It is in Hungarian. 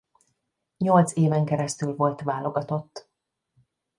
Nyolc éven keresztül volt válogatott.